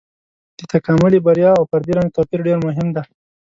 د تکاملي بریا او فردي رنځ توپير ډېر مهم دی.